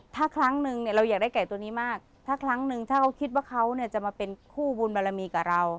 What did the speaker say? ถ้าครั้งนึงเนี่ยเราอยากได้ไก่ตัวนี้มากถ้าครั้งนึงถ้าเขาคิดว่าเขาเนี่ยจะมาเป็นคู่บุญบารมีกับเรา